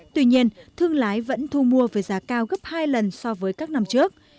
tuy nhiên thương lái vẫn thu mua với giá cao gấp hai lần so với các năm trước